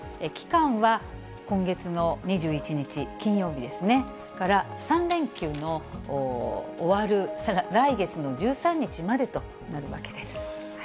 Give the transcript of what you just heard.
期間は今月の２１日金曜日ですね、それから３連休の終わる、来月の１３日までとなるわけです。